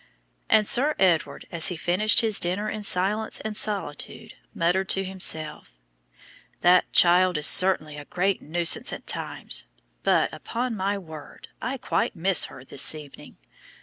And Sir Edward as he finished his dinner in silence and solitude muttered to himself, "That child is certainly a great nuisance at times, but, upon my word, I quite miss her this evening.